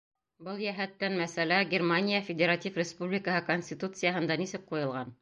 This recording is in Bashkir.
Был йәһәттән мәсьәлә Германия Федератив Республикаһы Конституцияһында нисек ҡуйылған?